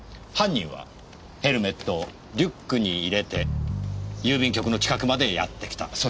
犯人はヘルメットをリュックに入れて郵便局の近くまでやってきた。